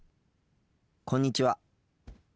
こんにちは。